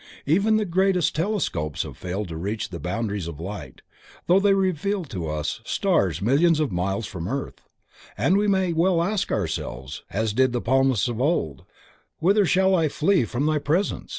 Even the greatest telescopes have failed to reach the boundaries of light, though they reveal to us stars millions of miles from the earth, and we may well ask ourselves, as did the Psalmist of old: Whither shall I flee from Thy Presence?